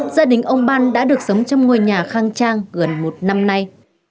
gia đình ông ban đã được sống trong ngôi nhà khang trang gần một năm nay